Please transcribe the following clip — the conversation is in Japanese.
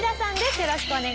よろしくお願いします。